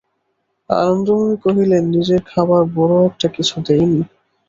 আনন্দময়ী কহিলেন, নিজের খবর বড়ো একটা কিছু দেয় নি।